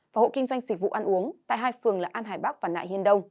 và hộ kinh doanh dịch vụ ăn uống tại hai phường là an hải bắc và nại hiên đông